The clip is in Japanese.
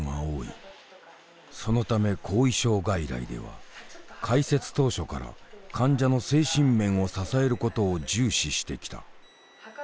そのため後遺症外来では開設当初から患者の精神面を支えることを重視してきた。